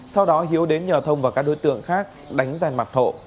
sau đó hiếu đến nhờ thông và các đối tượng khác đánh dàn mặt thộ